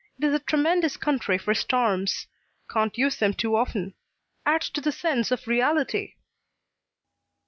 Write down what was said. It is a tremendous country for storms; can't use them too often; adds to the sense of reality.